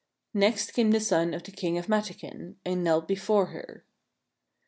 Next came the son of the King of Mataquin, and knelt before her.